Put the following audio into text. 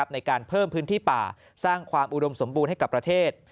ในการเพิ่มพื้นที่ป่าสร้างความอุดมสมบูรณ์ให้กับประเทศ